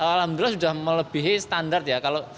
alhamdulillah sudah melebihi standar ya